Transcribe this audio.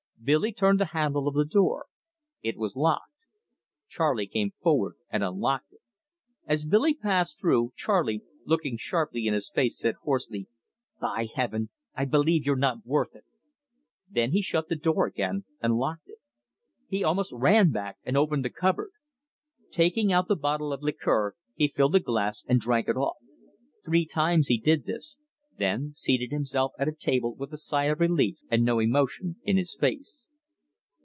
Billy turned the handle of the door. It was locked. Charley came forward and unlocked it. As Billy passed through, Charley, looking sharply in his face, said hoarsely: "By Heaven, I believe you're not worth it!" Then he shut the door again and locked it. He almost ran back and opened the cupboard. Taking out the bottle of liqueur, he filled a glass and drank it off. Three times he did this, then seated himself at the table with a sigh of relief and no emotion in his face.